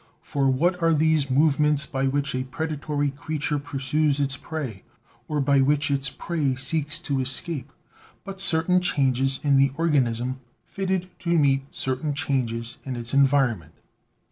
For what are those movements by which a predatory creature pur sues its prey, or by which its prey seeks to escape, but certain changes in the organism fitted to meet certain io BIOLOGY changes in its environment?